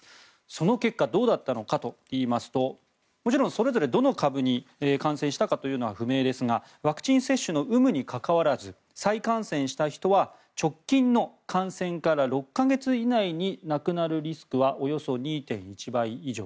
その結果どうだったのかといいますともちろんそれぞれどの株に感染したかというのは不明ですがワクチン接種の有無にかかわらず再感染した人は直近の感染から６か月以内に亡くなるリスクはおよそ２．１倍以上。